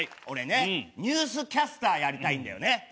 俺ねニュースキャスターやりたいんだよね。